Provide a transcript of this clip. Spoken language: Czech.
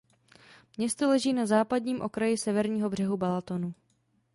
Město leží na západním okraji severního břehu Balatonu.